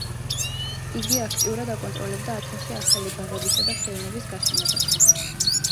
იგი აქტიურად აკონტროლებდა ათენში ახალი ბაღებისა და ხეივნების გაშენებას.